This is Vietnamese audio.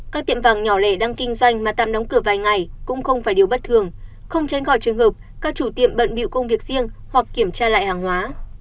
các tiệm vàng nhỏ lẻ đang kinh doanh mà tạm đóng cửa vài ngày cũng không phải điều bất thường không tránh khỏi trường hợp các chủ tiệm bận biệu công việc riêng hoặc kiểm tra lại hàng hóa